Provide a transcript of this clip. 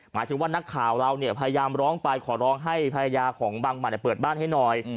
หมายถึงว่านักข่าวเราเนี่ยพยายามร้องไปขอร้องให้ภรรยาของบังหมัดเปิดบ้านให้หน่อย